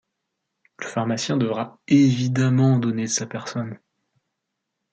Le pharmacien devra évidemment donner de sa personne.